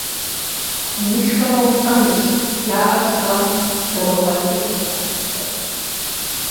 - Умышхмэ, улӀэнущ! ЖаӀэр щӀэ! - зэрогъэкӀий къыщхьэщытхэр.